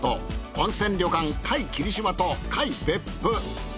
温泉旅館界霧島と界別府。